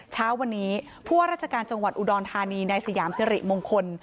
เช้าวันนี้ผู้ว่าราชการจังหวัดอุดรธานีในสยามสิริมงคล